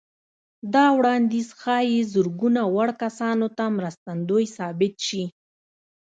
دا وړانديز ښايي زرګونه وړ کسانو ته مرستندوی ثابت شي.